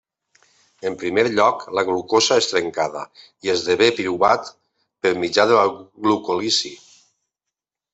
En primer lloc, la glucosa és trencada i esdevé piruvat per mitjà de la glucòlisi.